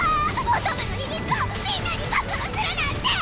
乙女の秘密をみんなに暴露するなんて！